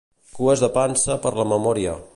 cues de pansa per la memòria